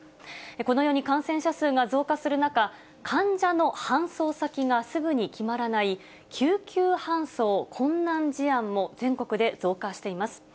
このように感染者数が増加する中、患者の搬送先がすぐに決まらない、救急搬送困難事案も全国で増加しています。